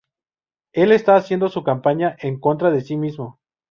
Él está haciendo su campaña en contra de sí mismo.